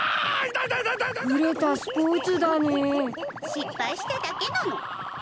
失敗しただけなの。